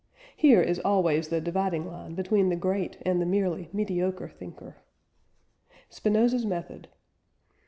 Here is always the dividing line between the great and the merely mediocre thinker. SPINOZA'S METHOD.